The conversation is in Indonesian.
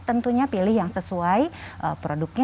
tentunya pilih yang sesuai produknya